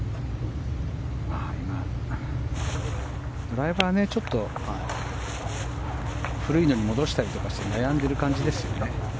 ドライバーはちょっと古いのに戻したりとかして悩んでいる感じですよね。